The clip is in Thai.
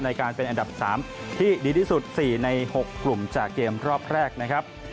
ในการเป็นอันดับ๓ที่ดีที่สุด๔ใน๖กลุ่มจากเกมรอบแรกนะครับ